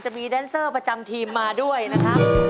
จะมีแดนเซอร์ประจำทีมมาด้วยนะครับ